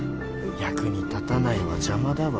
役に立たないわ邪魔だわ